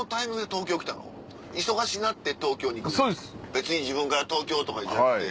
別に自分から東京とかじゃなくて。